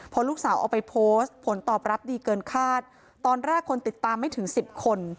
พอลูกสาวเอาไปโพสต์ผลตอบรับดีเกินคาดตอนแรกคนติดตามไม่ถึงสิบคน